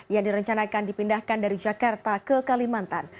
yang direncanakan dipindahkan dari jakarta ke kalimantan